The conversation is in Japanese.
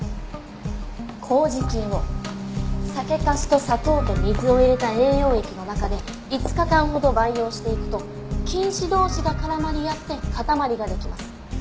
麹菌を酒粕と砂糖と水を入れた栄養液の中で５日間ほど培養していくと菌糸同士が絡まり合って塊ができます。